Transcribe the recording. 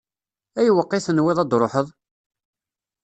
Ayweq i tenwiḍ ad tṛuḥeḍ?